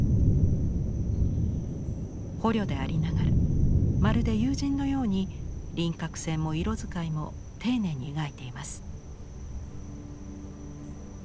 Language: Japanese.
捕虜でありながらまるで友人のように輪郭線も色使いも丁寧に描いています。